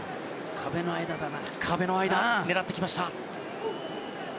壁の間、狙ってきました。